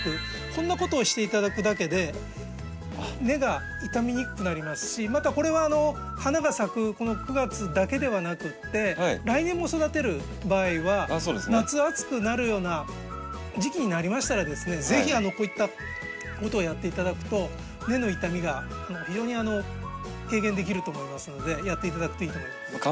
こんなことをして頂くだけで根が傷みにくくなりますしまたこれは花が咲くこの９月だけではなくて来年も育てる場合は夏暑くなるような時期になりましたらですね是非こういったことをやって頂くと根の傷みが非常に軽減できると思いますのでやって頂くといいと思います。